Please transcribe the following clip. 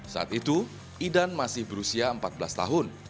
saat itu idan masih berusia empat belas tahun